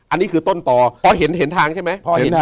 อันนี้คือต้นต่อพอเห็นทางใช่ไหม